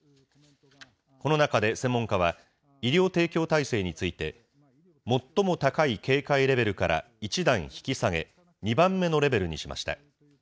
この中で、専門家は、医療提供体制について、最も高い警戒レベルから１段引き下げ、２番目のレベルにしました。